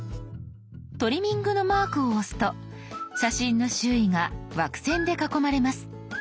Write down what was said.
トリミングのマークを押すと写真の周囲が枠線で囲まれます。